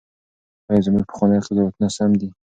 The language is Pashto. ایا زموږ پخواني قضاوتونه سم دي؟